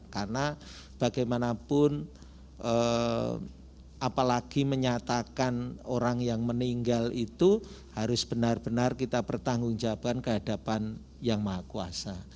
karena bagaimanapun apalagi menyatakan orang yang meninggal itu harus benar benar kita bertanggung jawaban kehadapan yang maha kuasa